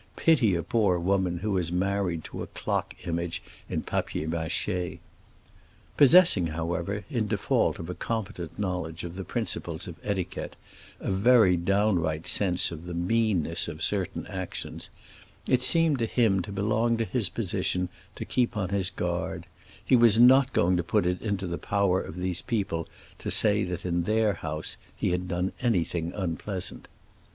Pity a poor woman who is married to a clock image in papier mâché!" Possessing, however, in default of a competent knowledge of the principles of etiquette, a very downright sense of the "meanness" of certain actions, it seemed to him to belong to his position to keep on his guard; he was not going to put it into the power of these people to say that in their house he had done anything unpleasant.